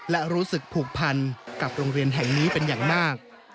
และรู้สึกผูกพันกับโรงเรียนแห่งนี้เป็นอย่างมาก